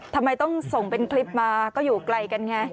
ทำไมต้องส่งเป็นคลิปมาก็อยู่ไกลกันไง